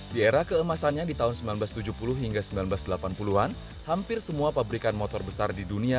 di era keemasannya di tahun seribu sembilan ratus tujuh puluh hingga seribu sembilan ratus delapan puluh an hampir semua pabrikan motor besar di dunia